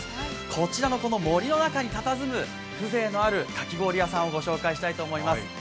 こちらの森の中にたたずむ風情のあるかき氷屋さんを紹介したいと思います。